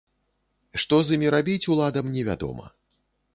Што з імі рабіць, уладам не вядома.